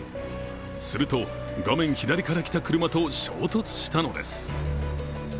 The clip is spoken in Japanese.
すると、画面左から来た車と衝突したのです。